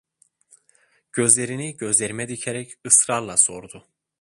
Gözlerini gözlerime dikerek, ısrarla sordu.